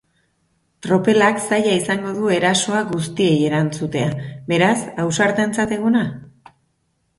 Tropelak zaila izango du erasoa guztie erantzutea, beraz, ausartentzat eguna?